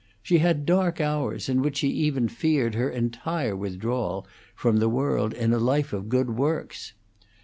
She had dark hours in which she even feared her entire withdrawal from the world in a life of good works.